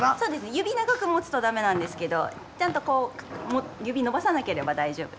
指長く持つとダメなんですけどちゃんとこう指伸ばさなければ大丈夫です。